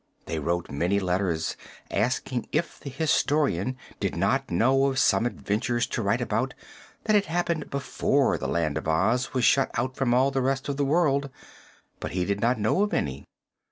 They wrote many letters asking if the Historian did not know of some adventures to write about that had happened before the Land of Oz was shut out from all the rest of the world. But he did not know of any.